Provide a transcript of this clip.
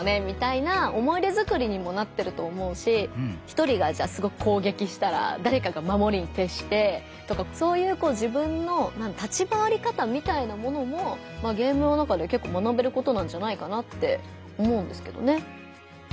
みたいな思い出づくりにもなってると思うし１人がじゃあすごく攻撃したらだれかがまもりにてっしてとかそういうこう自分の立ち回り方みたいなものもゲームの中で結構学べることなんじゃないかなって思うんですけどね。